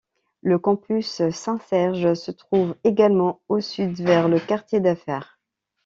Le campus Saint-Serge se trouve également au sud vers le quartier d'affaires.